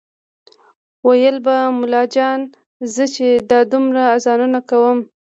ویل به ملا جان زه چې دا دومره اذانونه کوم